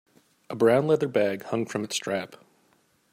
A brown leather bag hung from its strap.